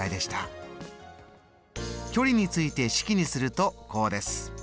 距離について式にするとこうです。